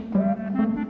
ya lo lah siapa lagi